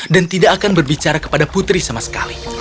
dan tidak akan berbicara kepada putri sama sekali